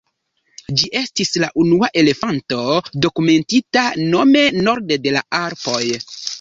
Ĝi estis la unua elefanto dokumentita nome norde de la Alpoj.